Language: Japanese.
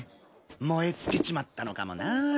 燃え尽きちまったのかもなあ。